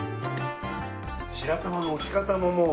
白玉の置き方ももう。